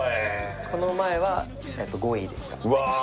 この前は５位でしたうわ